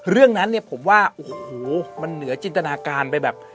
เรื่องนั้นผมว่ามันเหนือจินตนาการไปแบบ